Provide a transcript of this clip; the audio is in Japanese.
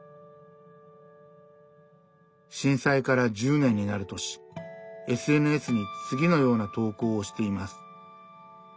震災から１０年になる年ＳＮＳに次のような投稿をしています。